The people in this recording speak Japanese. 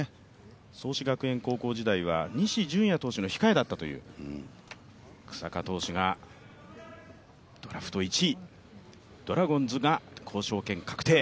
創志学園高校時代は西純矢投手の控えだったという草加投手がドラフト１位、ドラゴンズが交渉権確定。